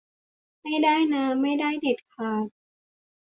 ไม่ได้นะ ไม่ได้เด็ดขาด